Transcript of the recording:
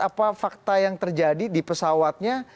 apa fakta yang terjadi di pesawatnya